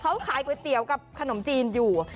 เขาขายก๋วยเตี๋ยวกับขนมจีนอยู่